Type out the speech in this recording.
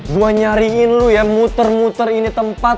gue nyariin lu ya muter muter ini tempat